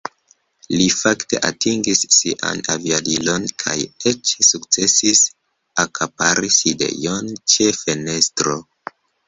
Li fakte atingis sian aviadilon kaj eĉ sukcesis akapari sidejon ĉe fenestro.